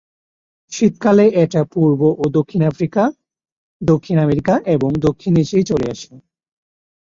শীতকালে এটা পূর্ব ও দক্ষিণ আফ্রিকা, দক্ষিণ আমেরিকা এবং দক্ষিণ এশিয়ায় চলে আসে।